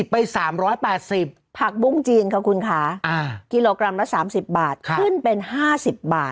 ไป๓๘๐ผักบุ้งจีนค่ะคุณค่ะกิโลกรัมละ๓๐บาทขึ้นเป็น๕๐บาท